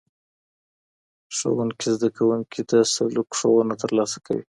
ښوونځي زدهکوونکي د سلوک ښوونه ترلاسه کوي.